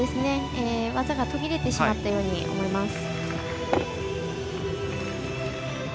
技が途切れてしまったように思います。